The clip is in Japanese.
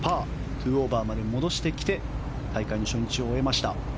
２オーバーまで戻してきて大会初日を終えました。